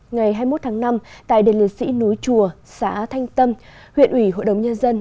ngày hai mươi một tháng năm tại đền liệt sĩ núi chùa xã thanh tâm huyện ủy hội đồng nhân dân